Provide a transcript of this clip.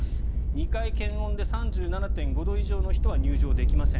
２回検温で３７．５度以上の人は入場できません。